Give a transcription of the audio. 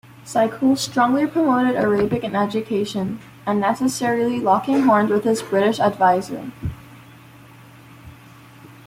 Zaghul strongly promoted Arabic in education, and necessarily locking horns with his British advisor.